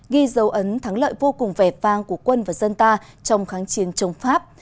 ghi dấu ấn thắng lợi vô cùng vẻ vang của quân và dân ta trong kháng chiến chống pháp